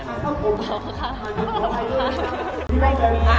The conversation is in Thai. อ้าวไม่จัด